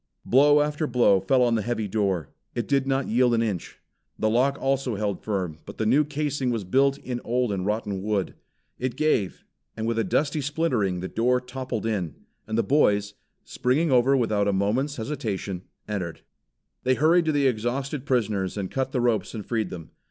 Blow after blow fell on the heavy door. It did not yield an inch. The lock also held firm, but the new casing was built in old and rotted wood. It gave, and with a dusty splintering the door toppled in, and the boys, springing over without a moment's hesitation, entered. They hurried to the exhausted prisoners and cut the ropes and freed them.